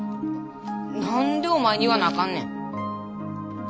何でお前に言わなあかんねん。